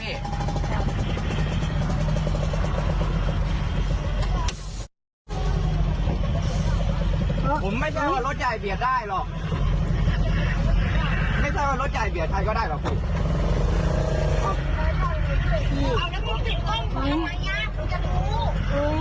เพราะผมไม่เชื่อว่ารถใจเบียดได้หรอกไม่ใช่ว่ารถใจเบียดใครก็ได้หรอก